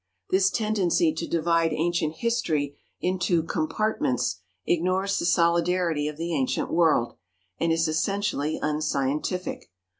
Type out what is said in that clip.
This tendency to divide Ancient History into "compartments" ignores the solidarity of the ancient world, and is essentially unscientific.